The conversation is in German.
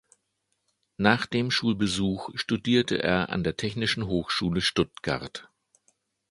Nach dem Schulbesuch studierte er an der Technischen Hochschule Stuttgart.